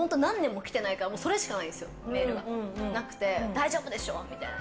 大丈夫でしょ！みたいな。